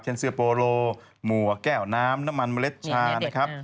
เสื้อโปโลหมวกแก้วน้ำน้ำมันเมล็ดชานะครับ